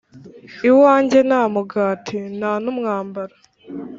iwanjye nta mugati, nta n’umwambaro: